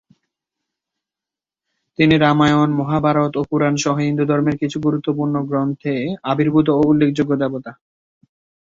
তিনি রামায়ণ, মহাভারত এবং পুরাণ সহ হিন্দুধর্মের কিছু গুরুত্বপূর্ণ গ্রন্থে আবির্ভূত এবং উল্লেখযোগ্য দেবতা।